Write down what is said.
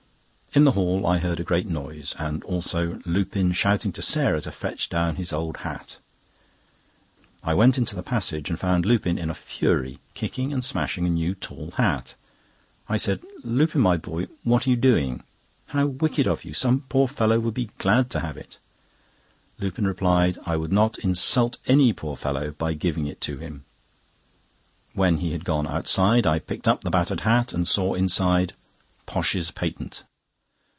In the hall I heard a great noise, and also Lupin shouting to Sarah to fetch down his old hat. I went into the passage, and found Lupin in a fury, kicking and smashing a new tall hat. I said: "Lupin, my boy, what are you doing? How wicked of you! Some poor fellow would be glad to have it." Lupin replied: "I would not insult any poor fellow by giving it to him." When he had gone outside, I picked up the battered hat, and saw inside "Posh's Patent."